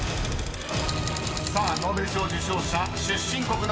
［さあノーベル賞受賞者出身国のウチワケ］